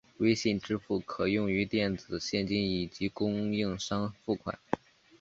微信支付可用于电子现金以及供应商付款。